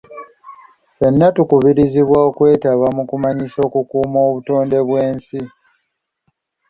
Ffenna tukubirizibwa okwetaba mu kumanyisa okukuuma obutonde bw'ensi.